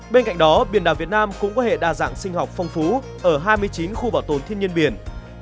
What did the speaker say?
bên cạnh đó biển đảo việt nam cũng có hệ đa dạng sinh học phong phú ở hai mươi chín khu bảo tồn thiên nhiên biển